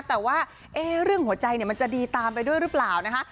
แต่ว่าเรื่องหัวใจมันจะดีตามไปด้วยหรือเปล่านะคะ